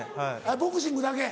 ボクシングだけ？